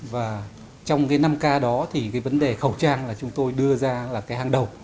và trong cái năm k đó thì cái vấn đề khẩu trang là chúng tôi đưa ra là cái hàng đầu